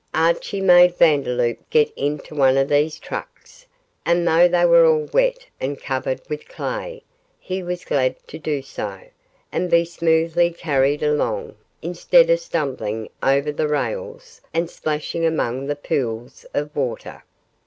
Archie made Vandeloup get into one of these trucks, and though they were all wet and covered with clay, he was glad to do so, and be smoothly carried along, instead of stumbling over the rails and splashing among the pools of water.